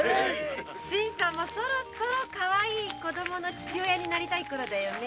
新さんもかわいい子供の父親になりたいころだよね。